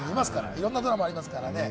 いろんなドラマありますから。